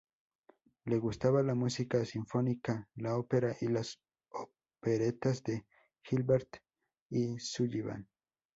Le gustaba la música sinfónica, la ópera, y las operetas de Gilbert y Sullivan.